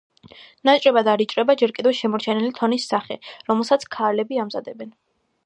ნაჭრებად არ იჭრება ჯერ კიდევ შემორჩენილი თონის სახე, რომელსაც ქალები ამზადებენ.